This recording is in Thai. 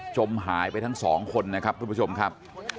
จมหายไปทั้งสองคนนะครับทุกผู้ชมครับ